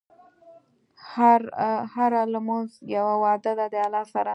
هره لمونځ یوه وعده ده د الله سره.